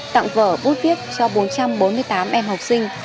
tặng vở bút viết cho bốn trăm bốn mươi tám em học sinh